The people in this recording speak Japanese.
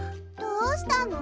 どうしたの？